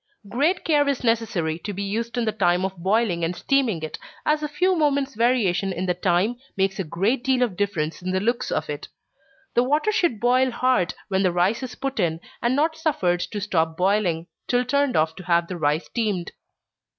Great care is necessary to be used in the time of boiling and steaming it, as a few moments variation in the time, makes a great deal of difference in the looks of it. The water should boil hard when the rice is put in, and not suffered to stop boiling, till turned off to have the rice steamed.